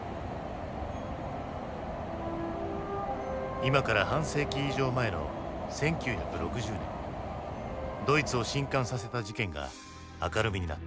今から半世紀以上前の１９６０年ドイツを震撼させた事件が明るみになった。